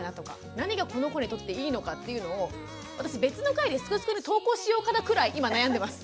何がこの子にとっていいのかっていうのを私別の回で「すくすく」に投稿しようかなくらい今悩んでます。